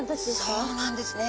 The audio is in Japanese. そうなんですね。